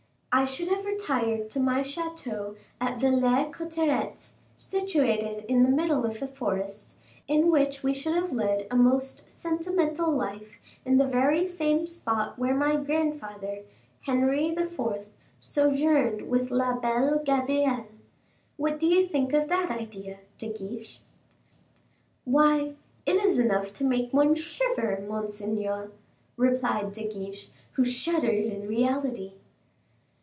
I should have retired to my chateau at Villers Cotterets, situated in the middle of a forest, in which we should have led a most sentimental life in the very same spot where my grandfather, Henry IV., sojourned with La Belle Gabrielle. What do you think of that idea, De Guiche?" "Why, it is enough to make one shiver, monseigneur," replied De Guiche, who shuddered in reality.